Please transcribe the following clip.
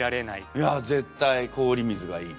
いや絶対「氷水」がいい。